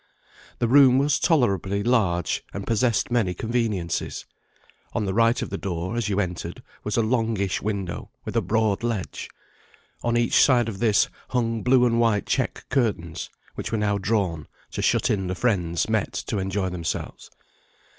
The room was tolerably large, and possessed many conveniences. On the right of the door, as you entered, was a longish window, with a broad ledge. On each side of this, hung blue and white check curtains, which were now drawn, to shut in the friends met to enjoy themselves.